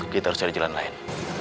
kita harus cari jalan lain